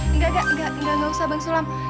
enggak enggak enggak enggak usah bang sulam